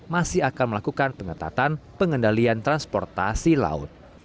masih akan melakukan pengetatan pengendalian transportasi laut